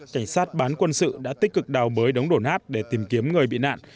cảnh sát bán quân sự đã tích cực đào bới đống đổ nát để tìm kiếm người bị nạn